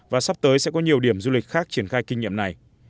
và sắp tới sẽ có nhiều điểm du lịch khác triển khai kinh nghiệm này